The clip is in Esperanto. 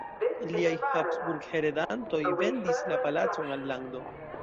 Liaj Habsburg-heredantoj vendis la palacon al lando.